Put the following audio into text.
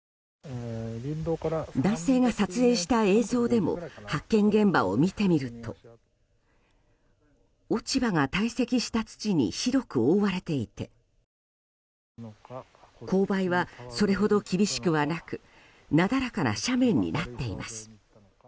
男性が撮影した映像でも発見現場を見てみると落ち葉が堆積した土に白く覆われていて勾配はそれほど厳しくはなくなだらかな斜面になっています。